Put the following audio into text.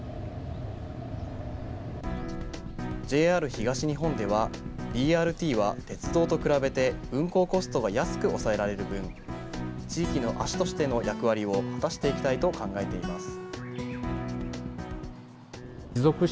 ＪＲ東日本では、ＢＲＴは鉄道と比べて、運行コストが安く抑えられる分、地域の足としての役割を果たしていきたいと考えています。